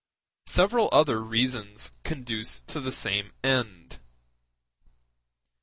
Several other reasons conduce to the same end.